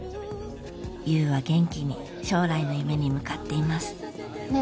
優は元気に将来の夢に向かっていますねえ